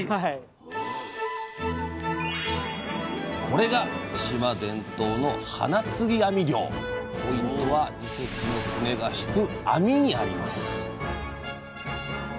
これが島伝統のポイントは２隻の船が引く網にあります